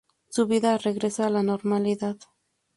Su vida regresa a la normalidad.